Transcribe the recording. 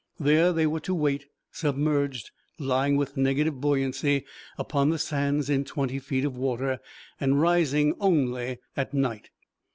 There they were to wait submerged, lying with negative buoyancy upon the sands in twenty foot of water, and rising only at night.